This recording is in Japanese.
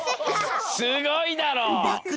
すごいだろ。